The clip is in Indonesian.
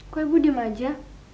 kok ibu diam saja